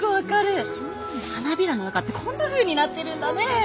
花びらの中ってこんなふうになってるんだね！